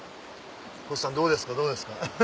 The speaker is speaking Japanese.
星さんどうですかどうですか。ハハハ！